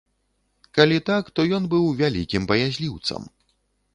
Калі так, то ён быў вялікім баязліўцам.